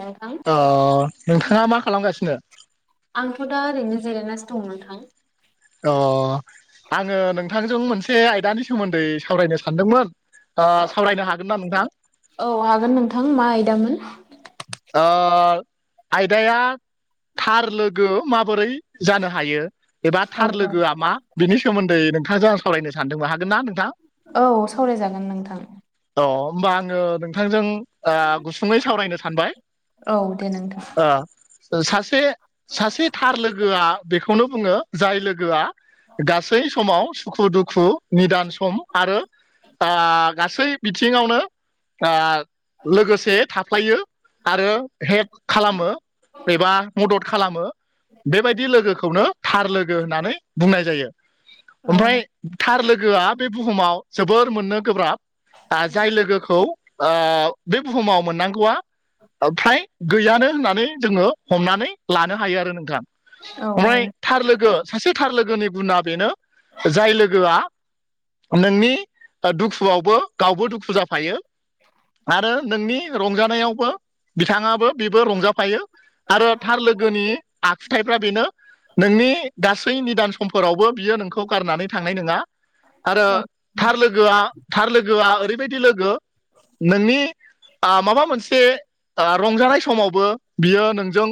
नोंथां अ नोंथाङा मा खालामगासिनो? आंथ' दा ओरैनो जिरायनासो दं नोंथां। अ आङो नोंथांजों मोनसे आयदानि सोमोन्दै सावरायनो सानदोंमोन। सावरायनो हागोन ना नोंथां? औ हागोन नोंथां मा आयदामोन आयदाया थार लोगो माबोरै जानो हायो एबा औ थार औ लोगोआ मा बिनि सोमोन्दै नोंथांजों आं सावलायनो सानदोंमोन हागोन ना नोंथां औ सावरायजागोन नोंथां अ होमबा आङो नोंथांजों गुसुङै सावरायनो सानबाय औ दे नोंथां सासे सासे थार लोगोआ बेखौनो बुङो जाय लोगोआ गासै समाव सुखु दुखु निदान सम आरो गासै बिथिङावनो लोगोसे थाफायो आरो हेल्प खालामो एबा मदद खालामो बेबायदि लोगोखौनो थार लोगो होननानै बुंनाय जायो औ ओमफ्राय थार लोगोआ बे बुहुमाव जोबोर मोननो गोब्राब जाय लोगोखौ बे बुहुमाव मोननांगौआ फ्राय गैयानो होननानै जोङो हमनानै लानो हायो आरो नोंथां औ ओमफ्राय थार लोगो सासे थार लोगोनि गुना बेनो जाय लोगोआ नोंनि दुखुआवबो गावबो दुखु जाफायो आरो नोंनि रंजानायावबो बिथाङाबो बेबो रंजाफायो आरो थार लोगोनि आखुथायफ्रा बेनो नोंनि गासै निदान समफोरावबो बियो नोंखौ गारनानै थांनाय नङा आरो औ थार लोगोआ थार लोगोआ ओरैबायदि लोगो नोंनि माबा मोनसे रंजानाय समावबो बियो नोंजों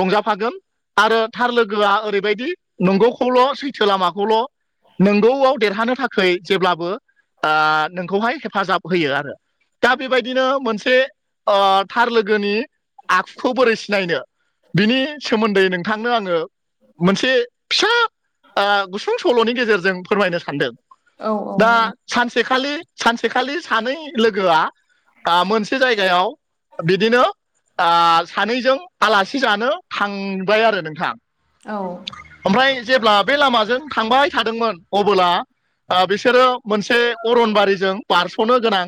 रंजाफागोन आरो थार लोगोआ ओरैबायदि नंगौखौल' सैथो लामाखौल' नंगौआव देरहानो थाखाय जेब्लाबो नोंखौहाय हेफाजाब होयो आरो दा बेबायदिनो मोनसे थार लोगोनि आखुखौ बोरै सिनायनो बिनि सोमोन्दै नों थांनो आङो मोनसे फिसा गुसुं सल'नि गेजेरजों फोरमायनो सानदों औ दा सानसेखालि सानसेखालि सानै लोगोआ मोनसे जायगायाव बिदिनो सानैजों आलासि जानो थांबाय आरो नोंथां औ ओमफ्राय जेब्ला बे लामाजों थांबाय थादोंमोन अबोला बिसोरो मोनसे अरनबारिजों बारस'नो गोनां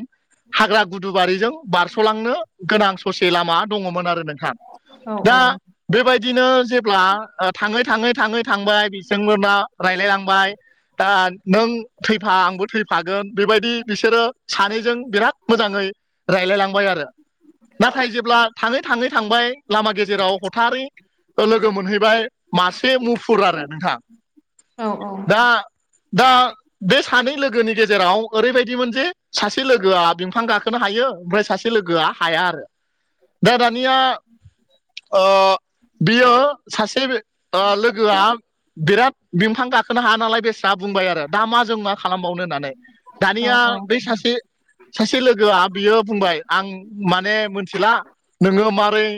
हाग्रा गुदुबारिजों बारस'लांनो गोनां ससे लामा दङमोन आरो नोंथां दा बेबायदिनो जेब्ला थाङै थाङै थाङै थांबाय बिथांमोना रायज्लायहांबाय दा नों थैफा आंबो थैफागोन बेबायदि बिसोरो सानैजों बिराद मोजाङै रायलायलांबाय आरो नाथाय जेब्ला थाङै थाङै थांबाय लामा गेजेराव हथारै लोगो मोनहैबाय मासे मुफुर आरो नोंथां औ दा दा बे सानै लोगोनि गेजेराव ओरैबायदिमोन जे सासे लोगोआ बिफां गाखोनो हायो ओमफ्राय सासे लोगोआ हाया आरो दा दानिया बियो सासे लोगोआ बिराद बिफां गाखोनो हाया नालाय बेस्रा बुंबाय आरो दा मा जों मा खालामबावनो होननानै दानिया बै सासे सासे लोगोआ बियो बुंबाय आं माने मोनथिला नोङो मारै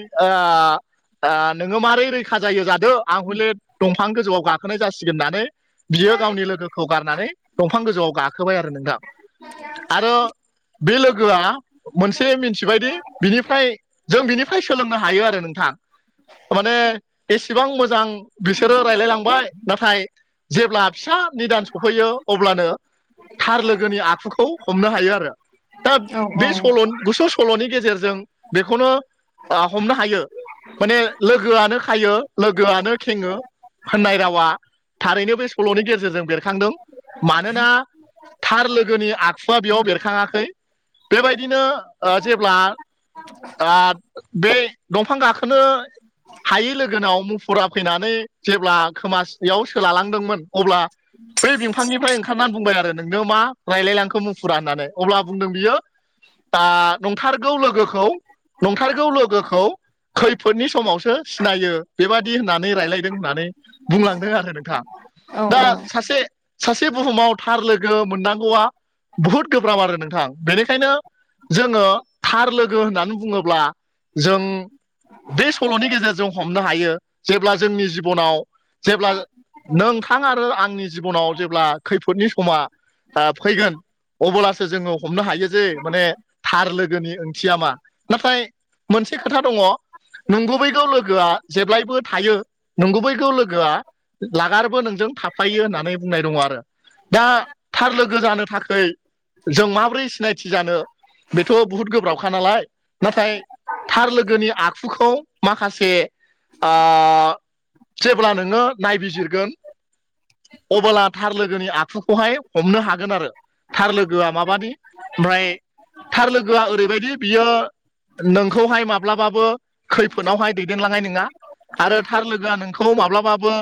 नोङो मारै रैखा जायो जादो आं हले दंफां गोजौआव गाखोनाय जासिगोन होननानै बियो गावनि लोगोखौ खौ बारनानै दंफां गोजौआव गाखोबाय आरो नोंथां आरो बे लोगोआ मोनसे मिथिबायदि बिनिफ्राय जों बिनिफ्राय सोलोंनो हायो आरो नोंथां माने एसेबां मोजां बिसोरो रायज्लाय लांबाय नाथाय जेब्ला फिसा निदान सफैयो अब्लानो थार लोगोनि आखुखौ हमनो हायो आरो दा बे सल'नि गुसुं सल'नि गेजेरजों बेखौनो हमनो हायो माने लोगोआनो खायो लोगो आनो खेङो होननाय रावा थारैनो बे सल'नि गेजेरजों बेरखांदों मानोना थार लोगोनि आखुवा बेयाव बेरखाङाखै बेबायदिनो जेब्ला बे दंफां गाखोनो हायै लोगोनाव मुफुरा फैनानै जेब्ला खोमासियाव सोलालांदोंमोन अब्ला बै बिफांनिफ्राय ओंखारनानै बुंबाय आरो नोंनो मा रायलायलांखो मुफुरा होननानै अब्ला बुंदों बियो दा नंथारगौ लोगोखौ नंथारगौ लोगोखौ खैफोदनि समावसो सिनायो बेबादि होननानै रायलायदों होननानै बुंलांदों आरो नोंथां दा औ सासे सासे बुहुमाव थार लोगो मोननांगौआ बुहुद गोब्राब आरो नोंथां बेनिखायनो जोङो थार लोगो होननानै बुङोब्ला जों बे सल'नि गेजेरजों हमनो हायो जेब्ला जोंनि जिबननाव जेब्ला नोंथां आरो आंनि जिबननाव जेब्ला खैफोदनि समा फैगोन अब्लासो जोङो हमनो हायो जे माने थार लोगोनि ओंथिया मा नाथाय मोनसे खोथा दङ नंगुबैगौ लोगोआ जेब्लाय बो थायो नंगुबैखौ लोगोआ लागारबो नोंजों थाफ्लायो होननानै बुंनाय दङ आरो दा थार लोगो जानो थाखाय जों माबोरै सिनायथि जानो बेथ' बहुद गोब्राबखा नालाय नाथाय थार लोगोनि आखुखौ माखासे ओ जेब्ला नोङो नायबिजिरगोन अब्ला थार लोगोनि आखुखौहाय हमनो हागोन आरो थार लोगोआ माबा ओमफ्राय थार लोगोआ ओरैबायदि बियो नोंखौहाय माब्लाबाबो खैफोदावहाय दैदेनलांनाय नङा आरो थार लोगोआ नोंखौ माब्लाबाबो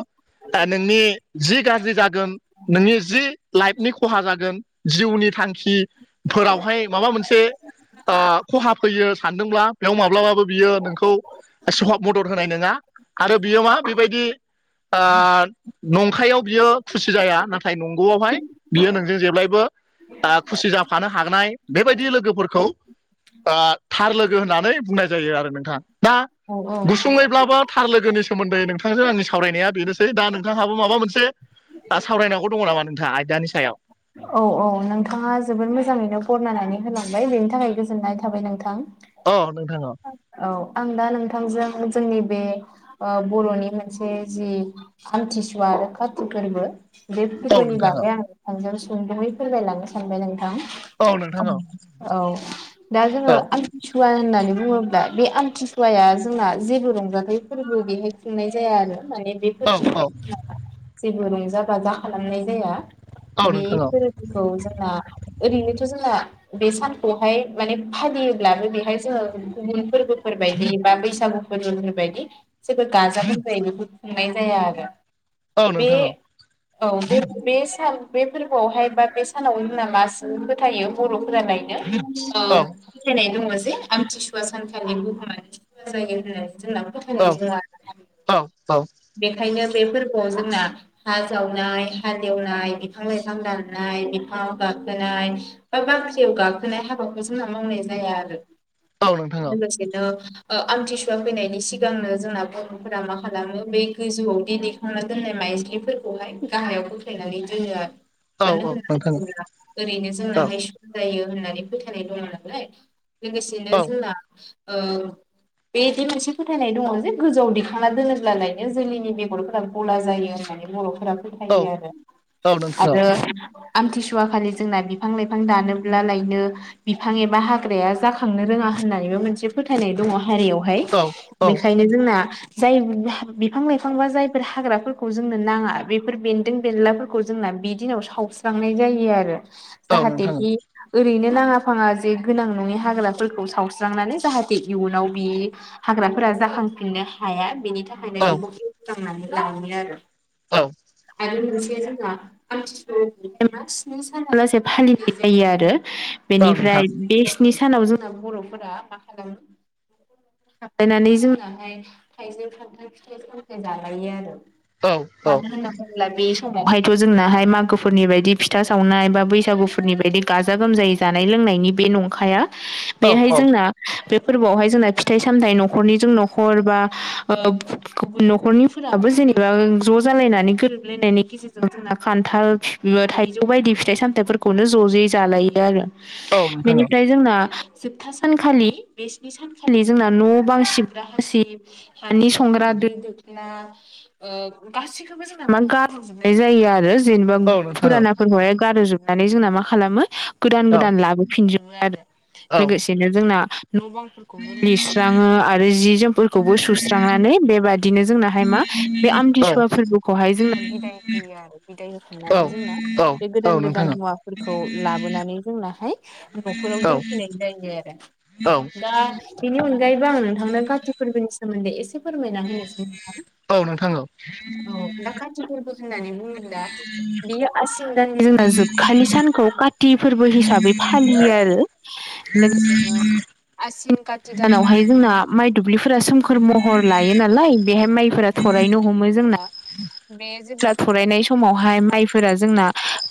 नोंनि जि गाज्रि जागोन नोंनि जि लाइफनि खहा जागोन जिउनि थांखि फोरावहाय माबा मोनसे खहा फैयो सानदोंब्ला बेयाव माब्लाबाबो बियो नोंखौ समाव मदद होनाय नङा आरो बियो मा बेबायदि नंखायाव बियो खुसि जाया नाथाय नंगौआवहाय बियो नोंजों जेब्लायबो खुसि जाफानो हानाय बेबायदि लोगोफोरखौ थार लोगो होननानै बुंनाय जायो आरो नोंथां दा गुसुङैब्लाबो थार लोगोनि सोमोन्दै नोंथांजों आंनि सावरायनाया बेनोसै दा नोंथांहाबो माबा मोनसे सावरायनांगौ दङ नामा नोंथाङा आयदानि सायाव औ औ नोंथाङा जोबोद मोजाङैनो बरनायनानै होलांबाय बेनि थाखाय गोजोननाय थाबाय नोंथां अ नोंथां अ औ आं दा नोंथांजों जोंनि बे बर'नि मोनसे जि आमथि सुवा आरो खाथिक फोरबो बे औ फोरबोनि नोंथां औ बागै आं नोंथांजों सुंदुङै फोरमायलांनो सानबाय नोंथां औ नोंथां औ औ दा जोङो औ आमथिसुवा होननानै बुङोब्ला बे आमथिसुवाया जोंना जेबो रंजाथाइ फोरबो बेहाय खुंनाय जाया आरो माने बे औ औ जेबो रंजा बाजा खालामनाय जाया औ बे नोंथां औ जोंना ओरैनोथ' जोंना बे सानखौहाय माने फालियोब्लाबो बेहाय जोङो गुबुन फोरबोफोर बायदि बा बैसागु नि बायदि जेबो गाजा गोमजायै बेखौ खुंनाय जाया आरो औ बे नोंथां औ औ बे सान बे फोरबो हाय बा बे सानाव जोंना मा सुबुं फोथायो बर'फोरा लायनो औ फोथायनाय दङ जे आमथिसुवा सानखालि बुहुमानो सुवा जायो होननानै जोंना औ फोथायनाय जाया आरो ना औ बेखायनो बे फोरबोआव जोंना हा जावनाय हालेवनाय बिफोरबादि बिफां दाननाय बिफाङाव गाखोनाय बा बाख्रियाव गाखोनाय हाबाखौ जोंना मावनाय जाया आरो औ नोंथां लोगोसे बिदिनो आमथिसुवा फैनायनि सिगांनो जोंना बर'फोरा मा खालामो बे गोजौआव दिनै खांना दोननाय माइस्लिफोरखौहाय गाहायाव बोख्लायनानै दोनो आरो मानो औ औ नोंथां औ होनना बुङोब्ला ओरैनो जोंना हाइसकुल जायो होननानै फोथायनाय दङ नालाय लोगोसेनो जोंना बेबायदि मोनसे फोथायनाय दङ जे गोजौआव दिखांना दोनोब्लालायनो जोलैनि बेगरफोरा गला जायो होननानै बर'फोरा औ फोथायो आरो औ नोंथां औ आरो आमथिसुवा खालि जोंना बिफां लाइफां दानोब्ला लायनो बिफां एबा हाग्राया जाखांनो रोङा होननानैबो मोनसे फोथायनाय दङ हारियावहाय औ औ बेखायनो जोंना जाय बिफां लाइफां बा जायफोर हाग्राफोरखौ जोंनो नाङा बेफोर बेन्दों बेनलाफोरखौ जोंना बि दिनाव सावस्रांनाय जायो आरो औ जाहाथे नोंथां बे ओरैनो नाङा फाङा जे गोनां नङि हाग्राफोरखौ सावस्रांनानै जाहाथे इयुनाव बियो हाग्राफोरा जाखांफिननो हाया बेनि थाखाय औ बेनि थाखायनो बेखौ बोस्रांनानै लायो आरो औ आय' मोनसे जोंहा [unintelligible] साना लासे फालिनाय जायो आरो औ बेनिफ्राय नोंथां बे नि सानाव जोंना बर'फोरा मा खालाम थायनानै जोंनाहाय थाइजौ खान्थाल फिथाइ सामथाय जालायो आरो औ औ मानो होनना बुङोब्ला बे समावहायथ' जोंनाहाय मागोफोरनि बायदि फिथा सावनाय बा बैसागुफोरनि बायदि गाजा गोमजायै जानाय लोंनायनि बे नंखाया औ बेहाय जोंना बे फोरबोआवहाय जोंना फिथाइ सामथाइ न'खरनिजों न'खर बा गुबुन न'खरनिफोराबो जेनेबा ज' जालायनानै गोरोबलायनायनि गेजेरजों थङाखै खान्थाल थाइजौ बायदि फिथाइ सामथायाइफोरखौनो ज' जयै जालायो आरो औ नोंथां बेनिफ्राय जोंना जोबथा सानखालि बे स्नि सानखालि जोंना न' बां सिबग्रा हासिब हानि संग्रा दो दोखला गासिखौबो जों मा गारजोबनाय जायो आरो जेनेबा औ नोंथां औ फुरानाफोरखौहाय गारोजोबनानै जोंना मा खालामो गोदान औ गोदान लाबोफिनजोबो औ नो जों न' बां लिरस्राङो आरो जि जोम फोरखौबो सुस्रांनानै बेबादिनो जोंनाहाय मा बे औ आमथिसुवा फोरबोखौहाय जोंना बिद होयो आरो बिदाय होखांनानै जोंना बे औ गोदान नोंथां गोदान हुवाफोरखौ लाबोनानै जोंनाहाय न'खराव औ औ दोनफैनाय जायो आरो दा बेनि अनगायैबो आं नोंथांमोना कारथि फोरबोनि सोमोन्दै एसे फोरमायना होनोसै औ औ नोंथां औ दा खाथि फोरबो होननानै बुङोब्ला बेयो आसिन दाननि जोंना जोबखालि सानखौ काति फोरबो हिसाबै फालियो आरो लोगोसेनो आसिन काति दानावहाय जोंना माइ दुब्लिफोरा सोमखोर महर लायो नालाय बेहाय माइफोरा थरायनो हमो जोंना [inaudible] बे जेब्ला थरायनाय समावहाय माइफोरा जोंना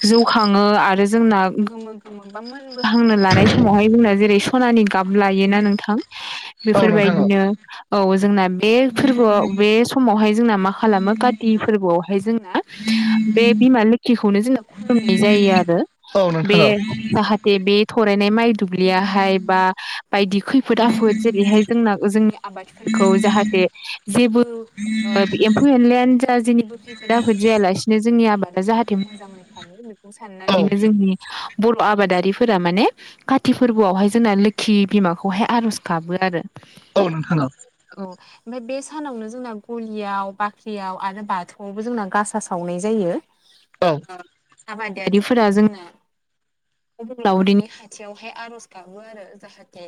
जौ खाङो आरो जोंना गोमो गोमो मोनहांनो लानाय समावहाय जोंना जेरै खनानि गाब लायोना नोंथां औ नोंथां औ बेफोरबायदिनो औ जोंना बे फोरबोआव बे समावहाय जोंना मा खालामो काति फोरबोआवहाय जोंना बे बिमा लोखिखौनो जोङो खुलुमनाय जायो आरो औ नोंथां औ नोंथां औ नोंथां औ नोंथां औ बे नोंथां औ नोंथां औ नोंथां औ औ जाहा थे बे थरायनाय माइ दुब्लियाहाय बा बायदि खैफोद आफोद जेरैहाय जोंना जोंनि आबाद फोरखौ जाहाथे जेबो एम्फौ एनलायानो जा जेनिबो खैफोद आफोद जायालासि जोंनि आबादा जाहाथे मोजाङै थायो बेखौ नोंथां औ औ साननानैनो जोंनि बर' आबादारिफोरा माने काति फोरबोआवहाय जोंना लोखि बिमाखौहाय आर'ज गाबो आरो औ नोंथां औ औ ओमफ्राय बे सानावनो जोंना गलियाव बाख्रियाव आरो बाथौआवबो जोंना गासा सावनाय जायो आबादारिफोरा जोंना अबंलावरिनि खाथियावहाय आर'ज गाबो जाहाथे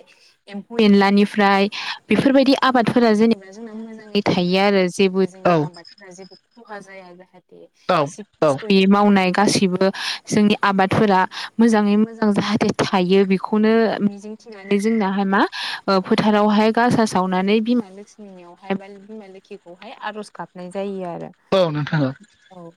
एम्फौ एनलानिफ्राय बेफोरबायदि आबादफोरा जेनेबा जों मोजाङै थायो आरो जेबो जोंनि आबादफोरा जेबो खहा जाया जाथे खस्थ'यै मावनाय गासैबो जोंनि आबादफोरा मोजाङै मोजां जाहाथे थायो बेखौनो मिजिं नानै जोंनाहाय मा फोथारावहाय गासा सावनानै बिमा नियावहाय बा बिमा लोखिखौहाय आर'ज गाबनाय जायो आरो औ नोंथां औ औ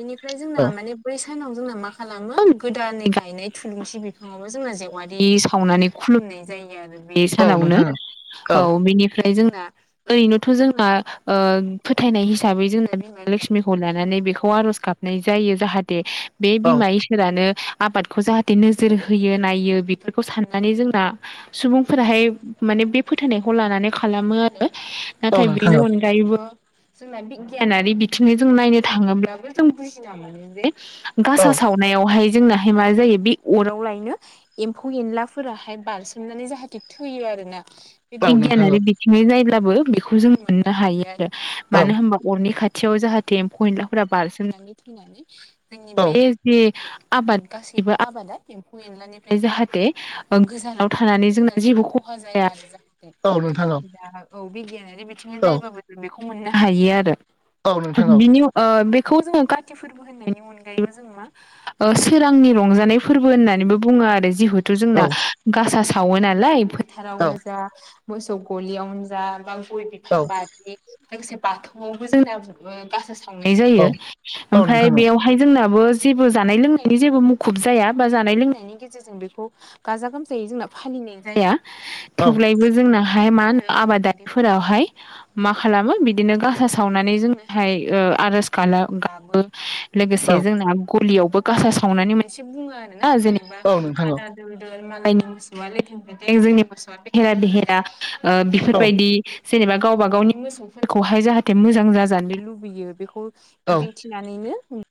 बेनिफ्राय जोंना माने बै सानाव जोंना मा खालामो गोदानै गायनाय थुलुंसि बेखौ बो जोंना जेवारि सावनानै खुलुमनाय जायो आरो बे औ सानावनो नोंथां औ बेनिफ्राय जोंना ओरैनोथ' जोंना फोथायनाय हिसाबै जोंना बिमा लक्ष्मि खौ लानानै बेखौ आर'ज गाबनाय जायो जाहाथे बे बिमा फोरानो आबादखौ जाहाथे नोजोर होयो नायो बेफोरखौ साननानै जोंना सुबुंफोराहाय माने बे फोथायनायखौ लानानै खालामो आरो नाथाय बेनि औ अनगायैबो जोंना बिगियानारि बिथिं जों नायनो थाङोब्लाबो जों बुजिनांगौ जे गासा सावनायावहाय जोंनाहाय मा जायो बे अराव लायनो एम्फौ एनलाफोराहाय बारसोमनानै जाहाथे थैयो आरो ना बे बिगियानारि थिङै जायोब्लाबो बेखौ जों मोननो हायो आरो मानो औ होनबा अरनि खाथियाव जाहाथे एमफौ एनलाफोरा बारसोमनानै थैनानै जोंनि बे जे आबाद गासैबो आबादा एनलानिफ्राय जाहाथे गोजानाव थानानै जोंना जेबो खहा जाया आरो जाहे औ नोंथा औ औ बिगियानारि बिथिंजों नायबाबो जों बेखौ मोननो हायो आरो बिनि बेखौ जोङो काति फोरबो होननायनि अनगायैबो जों मा सोरांनि रंजानाय फोरबो होननानैबो बुङो आरो जिहेथु जोंना गासा सावो नालाय फोथारावनो जा मोसौ गलियावनो जा बा गय बिफां बारि लोगोसे बाथौआवबो जोंना गासा सावनाय जायो ओमफ्राय बेयाव बेहाय जोंनाबो जेबो जानाय लोंनायनि जेबो मुखुब जाया बा जानाय लोंनायनि जों बेखौ गाजा गोमजायै जोंना फालिनाय जाया थेवब्लायबो जोंना हाय मा होनो आबादारिफोरावहाय मा खालामो बिदिनो गासा सावनानै जोङो हाय आर'ज गाला गाबो लोगोसे जोंना गलियावबो गासा सावनानै मोनसे बुङो आरोना जेनेबा औ नोंथां औ आरो दा [unintelligible] औ बिफोरबायदि जेनेबा गावबा गावनि मोसौफोरखौहाय जाहाथे मोजां जाजानो लुबैयो बेखौ औ मिजिं थिनानैनो